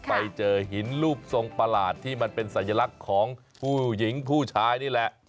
ไปเจอหินรูปทรงประหลาดที่มันเป็นสัญลักษณ์ของผู้หญิงผู้ชายนี่แหละ